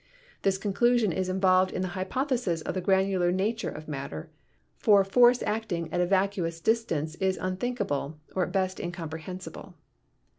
This conclusion is involved in the hypothesis of the granular nature of matter, for force acting at a vacu ous distance is unthinkable or at best incomprehensible.